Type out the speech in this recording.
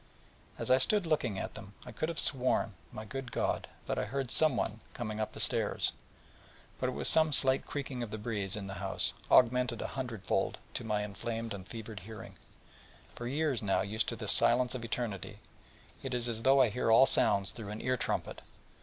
As I stood looking at them, I could have sworn, my good God, that I heard someone coming up the stairs. But it was some slight creaking of the breeze in the house, augmented a hundredfold to my inflamed and fevered hearing: for, used for years now to this silence of Eternity, it is as though I hear all sounds through an ear trumpet.